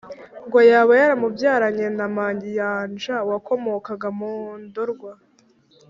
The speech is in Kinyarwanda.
ngo yaba yarababyaranye na Mayanja wakomokaga mu Ndorwa